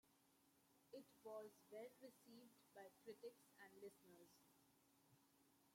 It was well received by critics and listeners.